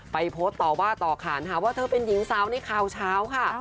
โพสต์ต่อว่าต่อขานหาว่าเธอเป็นหญิงสาวในข่าวเช้าค่ะ